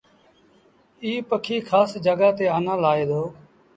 ايٚ پکي کآس جآڳآ تي آنآ لآهي دو۔